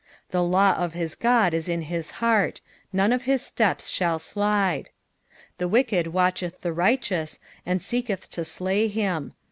31 The law of his God u in his heart ; none of his steps shall slide. 32 The wicked watcheth the righteous, and seeketh to slay him.